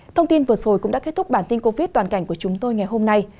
thông tin vừa rồi cũng đã kết thúc bản tin covid toàn cảnh của chúng tôi ngày hôm nay